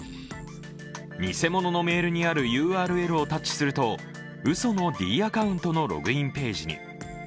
偽物のメールにあるＵＲＬをタッチするとうそのｄアカウントのログインページに。